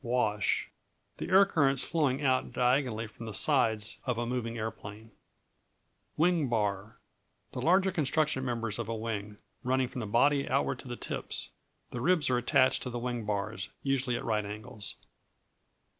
Wash The air currents flowing out diagonally from the sides of a moving aeroplane. Wing Bar The larger construction members of a wing, running from the body outward to the tips. The ribs are attached to the wing bars, usually at right angles.